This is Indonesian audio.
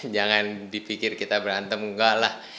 jangan dipikir kita berantem enggak lah